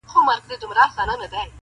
زما له ستوني سلامت سر دي ایستلی-